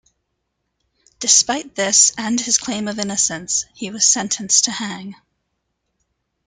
Despite this and his claim of innocence, he was sentenced to hang.